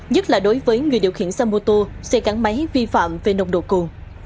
nhất là đối với người điều khiển xe mô tô xe gắn máy vi phạm về nồng độ cồn